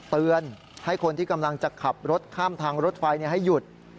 เตือนให้คนที่กำลังจะขับรถข้ามทางรถไฟให้หยุด